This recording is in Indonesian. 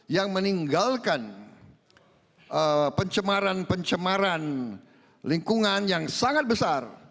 yang meninggalkan pencemaran pencemaran lingkungan yang sangat besar